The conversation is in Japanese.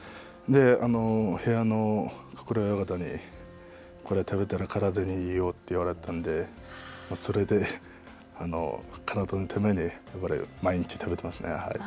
部屋の九重親方にこれ食べたら体にいいよって言われたので、それで体のためにやっぱり毎日食べてますね、はい。